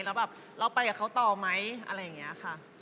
แล้วแบบเราไปกับเขาต่อไหมอะไรอย่างนี้ค่ะ